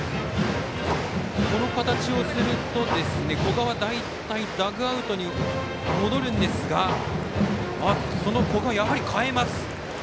この形をすると古賀は大体ダグアウトに戻るんですが古賀をやはり代えます。